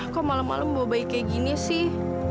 kok malem malem bawa bayi kayak gini sih